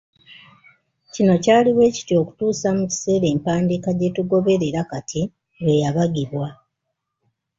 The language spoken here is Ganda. Kino kyali bwe kityo okutuusa mu kiseera empandiika gye tugoberera kati lwe yabagibwa.